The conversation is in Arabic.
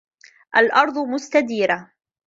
الْأرْضُ مُسْتَدِيرَةٌ.